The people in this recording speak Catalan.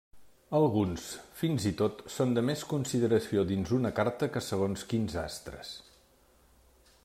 Alguns, fins i tot, són de més consideració dins una carta que segons quins astres.